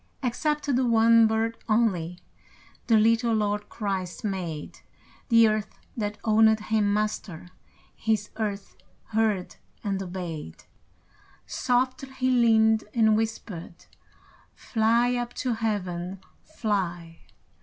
Except the one bird only The little Lord Christ made; The earth that owned Him Master, His earth heard and obeyed. Softly He leaned and whispered: "Fly up to Heaven! Fly!"